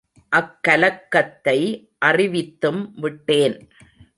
அக்கலக்கத்தை அறிவித்தும் விட்டேன்.